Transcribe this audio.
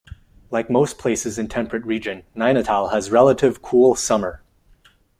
Like most places in temperate region, Nainital has relative cool summer.